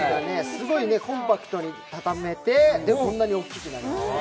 すごいコンパクトに畳めてこんなに大きくなる。